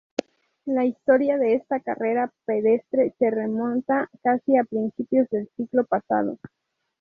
La historia de esta carrera pedestre se remonta casi a principios del siglo pasado.